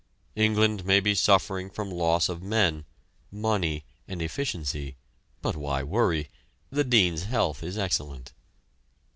England may be suffering from loss of men, money and efficiency, but why worry? The Dean's health is excellent!